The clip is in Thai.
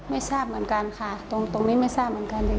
ไม่ทราบเหมือนกันค่ะตรงนี้ไม่ทราบเหมือนกันเลย